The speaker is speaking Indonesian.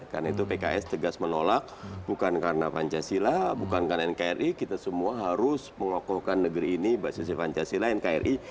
karena itu pks tegas menolak bukan karena pancasila bukan karena nkri kita semua harus mengokohkan negeri ini bahasa si pancasila nkri